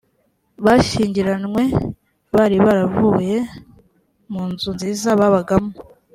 bashyingiranywe bari baravuye mu nzu nziza babagamo